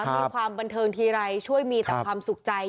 มีความบันเทิงทีไรช่วยมีแต่ความสุขใจ